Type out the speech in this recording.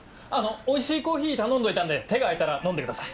おいしいコーヒー頼んどいたんで手が空いたら飲んでください。